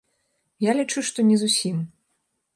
Я лічу, што не зусім.